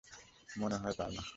মনে হয় তা না।